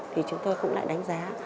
thì chúng tôi cũng lại đánh giá